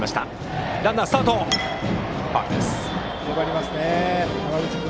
粘りますね、山口君。